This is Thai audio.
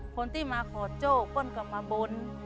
คนที่มาขอโจทย์ป้นกลับมาบ้น